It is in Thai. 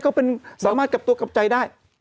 ก็เป็นสามารถกลับตัวกลับใจได้